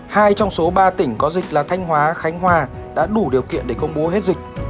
hai trong số ba tỉnh có dịch là thanh hóa khánh hòa đã đủ điều kiện để công bố hết dịch